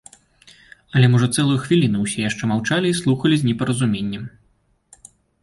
Але, можа, цэлую хвіліну ўсе яшчэ маўчалі і слухалі з непаразуменнем.